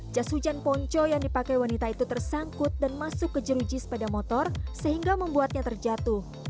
jas hujan ponco yang dipakai wanita itu tersangkut dan masuk ke jeruji sepeda motor sehingga membuatnya terjatuh